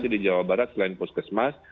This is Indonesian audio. di jawa barat selain puskesmas